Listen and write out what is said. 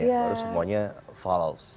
baru semuanya follows